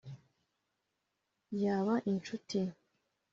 Yaba inshuti